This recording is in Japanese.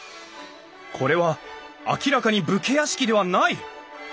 これは明らかに武家屋敷ではない！